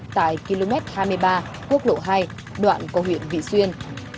tại km hai mươi ba quốc lộ hai đoạn qua huyện vị xuyên